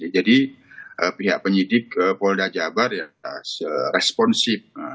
jadi pihak penyidik polda jabar responsif